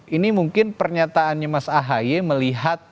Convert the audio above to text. ini mungkin pernyataannya mas ahy melihat